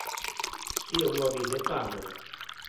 Io mori de fame.